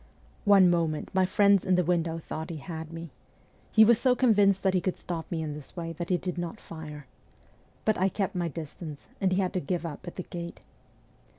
One moment my friends in the window thought he had me. He was so convinced that he could stop me in this way that he did not fire. But I kept my distance, and he had to give up at the gate.